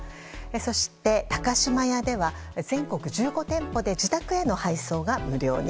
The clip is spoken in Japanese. そして、高島屋では全国１５店舗で自宅への配送が無料に。